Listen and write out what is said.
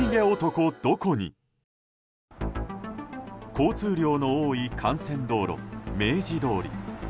交通量の多い幹線道路明治通り。